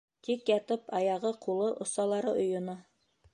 Тик ятып аяғы, ҡулы, осалары ойоно.